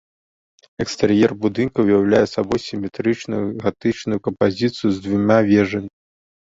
Экстэр'ер будынка ўяўляе сабой сіметрычную гатычную кампазіцыю з дзвюма вежамі.